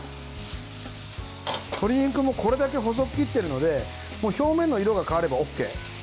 鶏肉もこれだけ細く切っているので表面の色が変わればＯＫ。